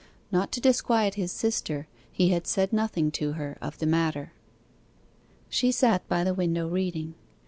Not to disquiet his sister, he had said nothing to her of the matter. She sat by the window reading.